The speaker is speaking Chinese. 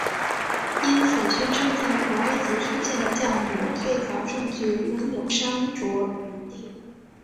因此宣称在古埃及出现的酵母最早证据仍有商酌余地。